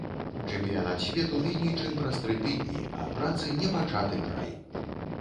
Чэмпіянат свету меней чым праз тры тыдні, а працы непачаты край!